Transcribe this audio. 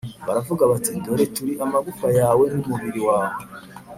baravuga bati “Dore turi amagufwa yawe n’umubiri wawe.